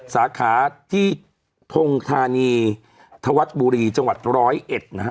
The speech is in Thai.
สาขาที่ทงธานีธวัฒน์บุรีจังหวัดร้อยเอ็ดนะฮะ